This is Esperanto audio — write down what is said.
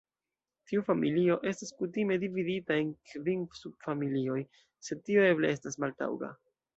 Tiu familio estas kutime dividita en kvin subfamilioj, sed tio eble estas maltaŭga.